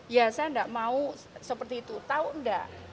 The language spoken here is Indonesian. ya saya nggak mau seperti itu tahu nggak